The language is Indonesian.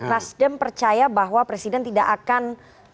nasdem percaya bahwa presiden tidak akan